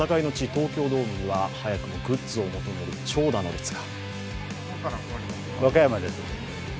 東京ドームには早くもグッズを求める長蛇の列が。